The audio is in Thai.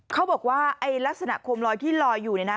เขาบอกว่าลักษณะโคมลอยที่ลอยอยู่เนี่ยนะ